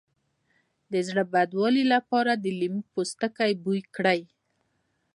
د زړه بدوالي لپاره د لیمو پوستکی بوی کړئ